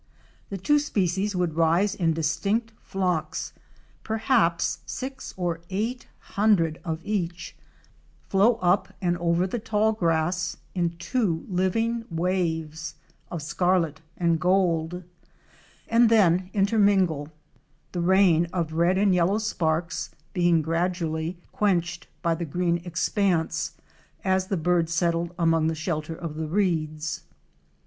The two species would rise in distinct flocks, perhaps six or eight hundred of each, flow up and over the tall grass in two living waves of scarlet and gold, and then intermingle, the rain of red and yellow sparks being gradually quenched by the green expanse, as the birds settled among the shelter of the reeds.